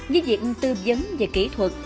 như việc tư vấn và kỹ thuật